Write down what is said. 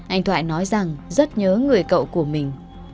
anh thoại nói rằng rất nhớ người cậu của mình